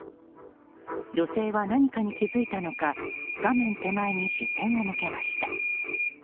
女性は何かに気づいたのか画面手前に視線を向けました。